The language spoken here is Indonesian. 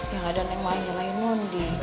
ya gak ada neng maen maen nondi